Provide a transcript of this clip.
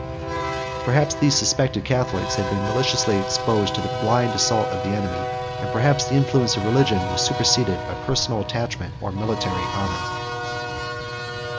Perhaps these suspected Catholics had been maliciously exposed to the blind assault of the enemy; and perhaps the influence of religion was superseded by personal attachment or military honor.